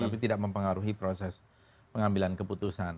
tapi tidak mempengaruhi proses pengambilan keputusan